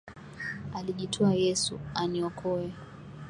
Alijitoa Yesu, aniokoe.